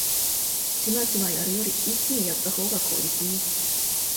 チマチマやるより一気にやったほうが効率いい